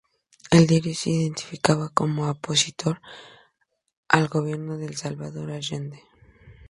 El diario se identificaba como opositor al gobierno de Salvador Allende.